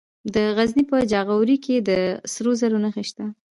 د غزني په جاغوري کې د سرو زرو نښې شته.